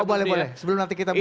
boleh boleh sebelum nanti kita buka